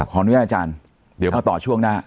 ขออนุญาตอาจารย์เดี๋ยวมาต่อช่วงหน้า